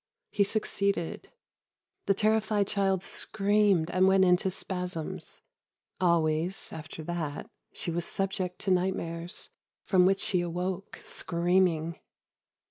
He succeeded. The terrified child screamed and went into spasms. Always, after that, she was subject to nightmares, from which she awoke, screaming.